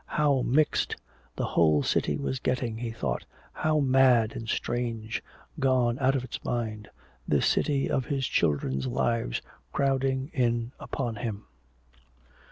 How mixed the whole city was getting, he thought, how mad and strange, gone out of its mind, this city of his children's lives crowding in upon him!